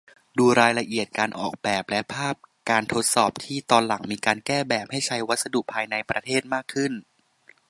ดูรายละเอียดการออกแบบและภาพการทดสอบที่ ตอนหลังมีการแก้แบบให้ใช้วัสดุภายในประเทศมากขึ้น